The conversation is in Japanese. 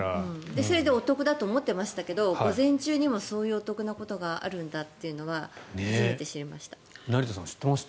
それでお得だと思っていましたけど午前中にもそういうお得なことがあるんだというのは成田さん、知ってました？